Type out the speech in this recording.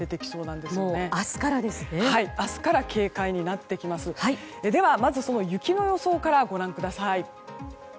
では、まず雪の予想からご覧ください。